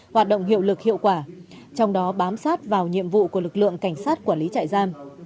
hoạt động hiệu lực hiệu quả trong đó bám sát vào nhiệm vụ của lực lượng cảnh sát quản lý trại giam